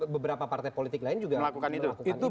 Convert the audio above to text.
beberapa partai politik lain juga melakukan itu